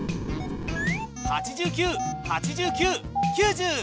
８９８９９０！